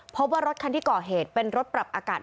พบว่ารถคันที่ก่อเหตุเป็นรถปรับอากาศ